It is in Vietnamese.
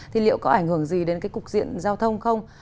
thì liệu có ảnh hưởng gì đến cái cục diện giao thông không